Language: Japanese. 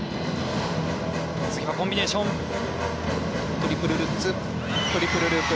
トリプルルッツトリプルループ。